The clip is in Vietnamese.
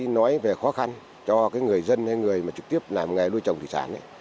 nói về khó khăn cho người dân hay người mà trực tiếp làm nghề nuôi trồng thủy sản